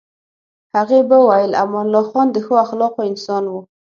هغې به ویل امان الله خان د ښو اخلاقو انسان و.